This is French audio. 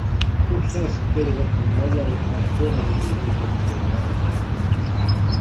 Pourchassent-elles votre moyen de transport avec des hélicoptères?